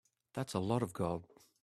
That's a lot of gold.